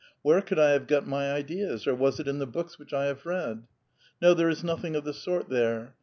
Where could I have got my ideas, or Avas it in the books which I have read? No; there is nothing of the sort there.